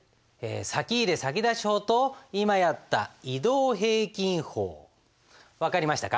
先入先出法と今やった移動平均法分かりましたか？